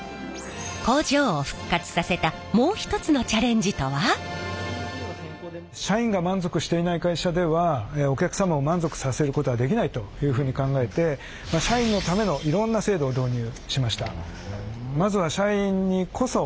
工場を復活させた社員が満足していない会社ではお客様を満足させることはできないというふうに考えて社員のためのいろんな制度を導入しました。